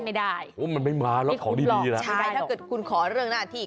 ไม่ได้มันไม่มาแล้วขอดีถ้าเกิดคุณขอเรื่องหน้าที่